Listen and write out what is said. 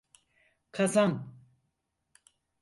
Kazan…